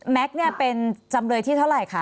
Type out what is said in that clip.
แม็กซ์เนี่ยเป็นจำเลยที่เท่าไหร่คะ